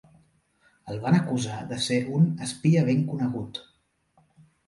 El van acusar de ser un "espia ben conegut".